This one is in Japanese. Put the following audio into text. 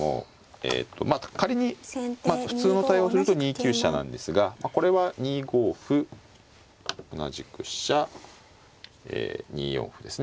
えっと仮に普通の対応をすると２九飛車なんですがこれは２五歩同じく飛車え２四歩ですね。